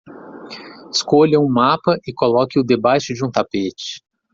Escolha um mapa e coloque-o debaixo de um tapete.